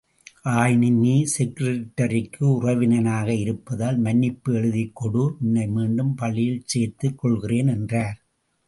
ஆயினும் நீ செகரட்ரிக்கு உறவினனாக இருப்பதால் மன்னிப்பு எழுதிக் கொடு, உன்னை மீண்டும் பள்ளியில் சேர்த்துக் கொள்ளுகிறேன் என்றார்.